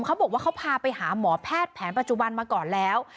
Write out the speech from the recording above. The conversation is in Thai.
เขาบอกว่าเขาพาไปหาหมอแพทย์แผนปัจจุบันมาก่อนแล้ว